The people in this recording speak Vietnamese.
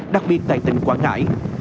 đặc biệt tại tỉnh quảng ngãi